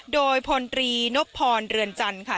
โดยพลตรีนพพรเรือนจันทร์ค่ะ